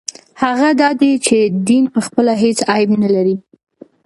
هغه دا دی چې دین پخپله هېڅ عیب نه لري.